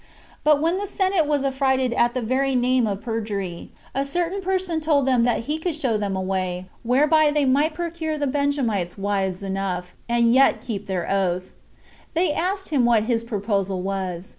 But when the senate were affrighted at the very name of perjury, a certain person told them that he could show them a way whereby they might procure the Benjamites wives enough, and yet keep their oath. They asked him what his proposal was.